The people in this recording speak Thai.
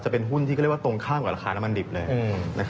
เป็นหุ้นที่ก็เรียกว่าตรงข้ามกับราคาน้ำมันดิบเลย